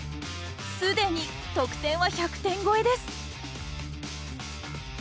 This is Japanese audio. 既に得点は１００点超えです！